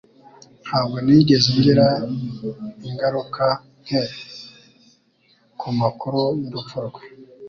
Ntabwo nigeze ngira ingaruka nke kumakuru y'urupfu rwe.